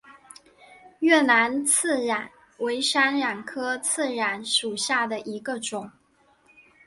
越南刺榄为山榄科刺榄属下的一个种。